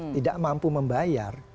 tidak mampu membayar